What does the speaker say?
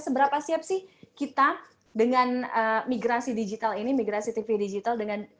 seberapa siap sih kita dengan migrasi digital ini migrasi tv digital dengan digital